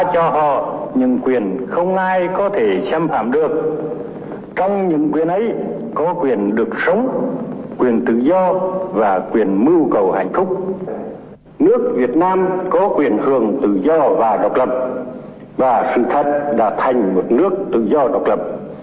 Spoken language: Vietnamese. hãy đăng ký kênh để ủng hộ kênh của mình nhé